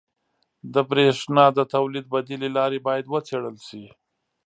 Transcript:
• د برېښنا د تولید بدیلې لارې باید وڅېړل شي.